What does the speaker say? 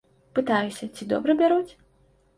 Пытаюся, ці добра бяруць?